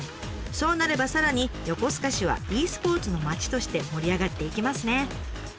そうなればさらに横須賀市はｅスポーツの街として盛り上がっていきますね。